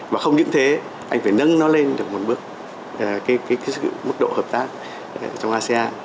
và không những thế anh phải nâng nó lên được một bước cái mức độ hợp tác trong asean